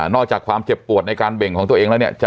อกจากความเจ็บปวดในการเบ่งของตัวเองแล้วเนี่ย